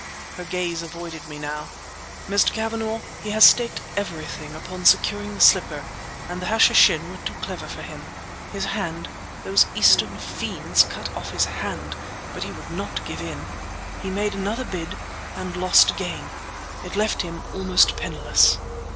Her gaze avoided me now. "Mr. Cavanagh, he has staked everything upon securing the slipper—and the Hashishin were too clever for him. His hand—those Eastern fiends cut off his hand! But he would not give in. He made another bid—and lost again. It left him almost penniless."